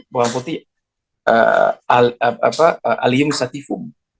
bawang putih eee al apa alium satifum